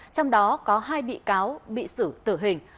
trong đó có hai bị cáo bị xử tử hình